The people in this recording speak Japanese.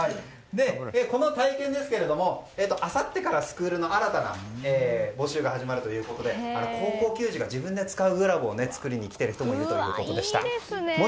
この体験ですがあさってからスクールの新たな募集が始まるということで高校球児が自分で使うグラブを作りに来ている人もいるということでした。